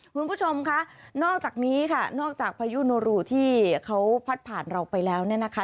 คุณผู้ชมค่ะนอกจากนี้ค่ะนอกจากพายุโนรูที่เขาพัดผ่านเราไปแล้วเนี่ยนะคะ